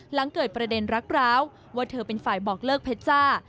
หลังเกิดประเด็นรักร้าวว่าเธอเป็นฝ่ายบอกเลิกเพชรจ้า